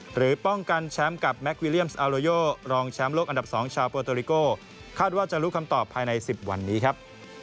หรือป้องกันแชมป์กับแมควิเลียมสอัลโลโยรองแชมป์โลกอันดับ๒ชาวโปโตริโกคาดว่าจะรู้คำตอบภายใน๑๐วันนี้ครับ